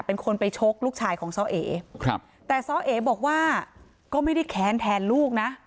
เป็นคนไปชกลูกชายของซ้อเอครับแต่ซ้อเอบอกว่าก็ไม่ได้แค้นแทนลูกนะ